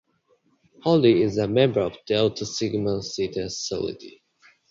Holly is a member of Delta Sigma Theta sorority.